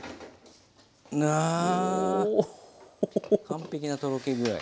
完璧なとろけ具合。